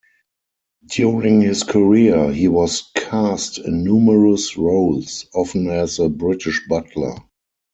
During his career, he was cast in numerous roles, often as a British butler.